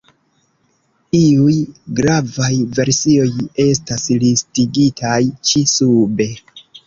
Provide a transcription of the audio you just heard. Iuj gravaj versioj estas listigitaj ĉi sube.